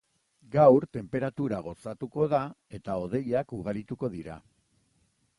Gaur tenperatura gozatuko da eta hodeiak ugarituko dira.